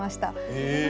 へえ。